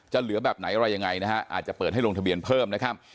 เหลือแบบไหนอะไรยังไงนะฮะอาจจะเปิดให้ลงทะเบียนเพิ่มนะครับ